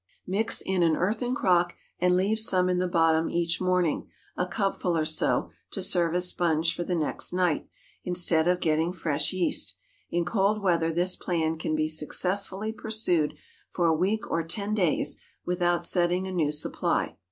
Mix in an earthen crock, and leave some in the bottom each morning—a cupful or so—to serve as sponge for the next night, instead of getting fresh yeast. In cold weather this plan can be successfully pursued for a week or ten days without setting a new supply.